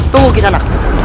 tunggu di sana